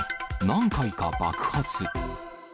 何回か爆発。